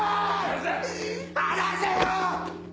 離せよ‼